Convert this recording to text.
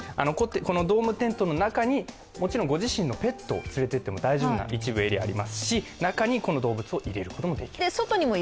ドームテントの中に、もちろんご自身のペットを連れて行ってもいい一部エリアもありますし中に動物を入れることもできると。